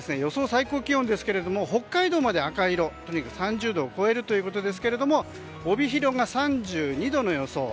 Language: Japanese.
最高気温ですが北海道まで赤色３０度を超えるということですが帯広が３２度の予想